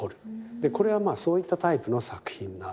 これはそういったタイプの作品なんですね。